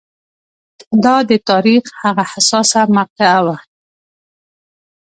دا د تاریخ هغه حساسه مقطعه وه